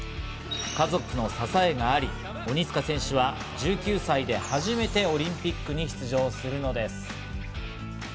家族の支えがあり、鬼塚選手は１９歳で初めてオリンピックに出場するのです。